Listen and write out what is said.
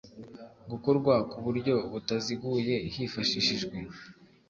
gukorwa ku buryo butaziguye hifashishijwe